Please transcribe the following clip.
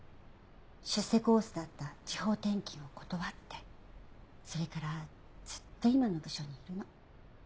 出世コースだった地方転勤を断ってそれからずっと今の部署にいるの。